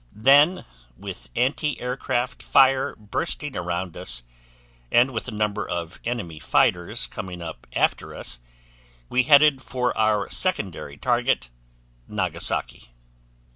Then with anti aircraft fire bursting around us and with a number of enemy fighters coming up after us, we headed for our secondary target, Nagasaki.